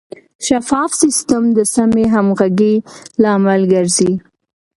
شفاف سیستم د سمې همغږۍ لامل ګرځي.